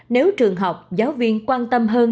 nếu trường học giáo viên quan tâm hơn